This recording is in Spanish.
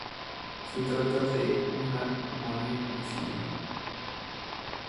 Se trata de una amino penicilina.